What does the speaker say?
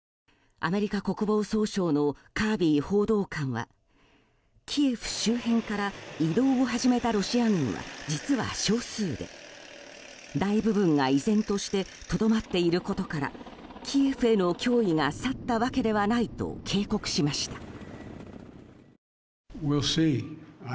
アメリカ国防総省のカービー報道官はキエフ周辺から移動を始めたロシア軍は実は少数で、大部分が依然としてとどまっていることからキエフへの脅威が去ったわけではないと警告しました。